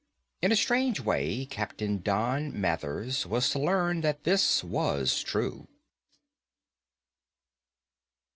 In a strange way, Captain Don Mathers was to learn that this was true.